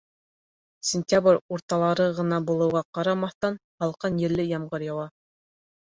Сентябрь урталары ғына булыуға ҡарамаҫтан, һалҡын елле ямғыр яуа.